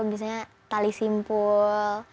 misalnya tali simpul